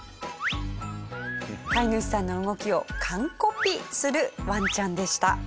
飼い主さんの動きを完コピするワンちゃんでした。